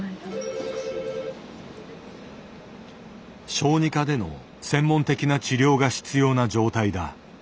小児科での専門的な治療が必要な状態だ。